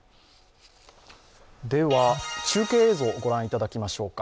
では中継映像を御覧いただきましょうか。